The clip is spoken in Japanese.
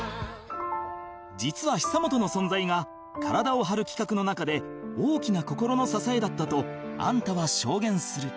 実は久本の存在が体を張る企画の中で大きな心の支えだったとアンタは証言する